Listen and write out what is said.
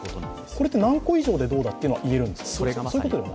これって何個以上でどうだということはいえるんですか？